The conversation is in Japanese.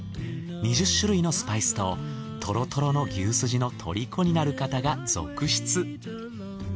２０種類のスパイスとトロトロの牛スジの虜になる方が続出。